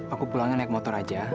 aku pulangnya naik motor aja